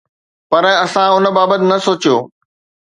پر اسان ان بابت نه سوچيو.